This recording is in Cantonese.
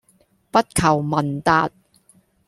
不求聞達